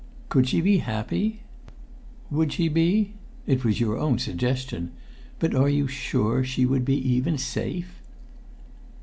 Could she be happy? Would she be it was your own suggestion but are you sure she would be even safe?"